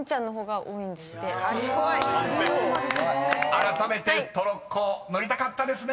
［あらためてトロッコ乗りたかったですね］